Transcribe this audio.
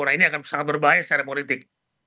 nah ini akan sangat berbahaya secara politik